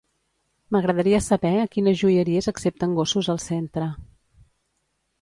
M'agradaria saber a quines joieries accepten gossos al centre.